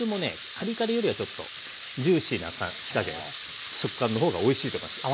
カリカリよりはちょっとジューシーな火加減食感の方がおいしいと思います。